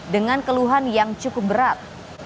dengan keluhan yang cukup berat